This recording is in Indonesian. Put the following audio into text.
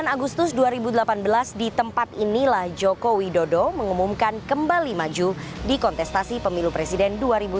sembilan agustus dua ribu delapan belas di tempat inilah jokowi dodo mengumumkan kembali maju di kontestasi pemilu presiden dua ribu sembilan belas